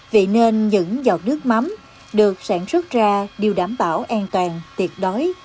vị nên những giọt nước mắm được sản xuất ra đều đảm bảo an toàn tiệt đối